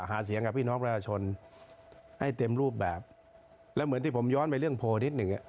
หาเสียงกับพี่น้องประชาชนให้เต็มรูปแบบแล้วเหมือนที่ผมย้อนไปเรื่องโพลนิดหนึ่งอ่ะ